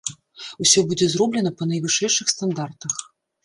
Усё будзе зроблена па найвышэйшых стандартах.